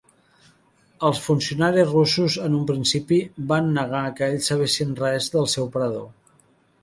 Els funcionaris russos en un principi van negar que ells sabessin res del seu parador.